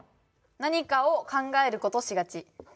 なにかを考えることしがち。